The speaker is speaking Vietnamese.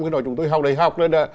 cái đó chúng tôi học đại học rồi